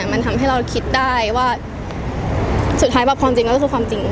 มันทำให้เราคิดได้ว่าสุดท้ายแบบความจริงก็คือความจริง